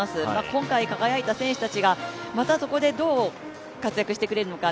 今回、輝いた選手たちが、またそこでどう活躍してくれるのか